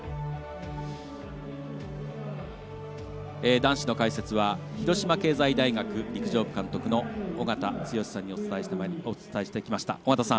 男子の解説は広島経済大学陸上部監督の尾方剛さんとお伝えしてきました。